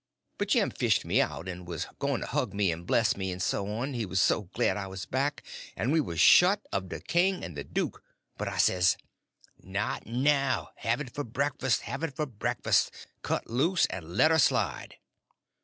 But Jim fished me out, and was going to hug me and bless me, and so on, he was so glad I was back and we was shut of the king and the duke, but I says: "Not now; have it for breakfast, have it for breakfast! Cut loose and let her slide!"